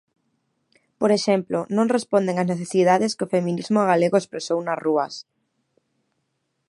Por exemplo, non responden ás necesidades que o feminismo galego expresou nas rúas.